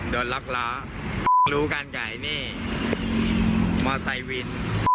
โดนล็อกล้อรู้กันไก่นี่มอเตอร์ไซค์วิน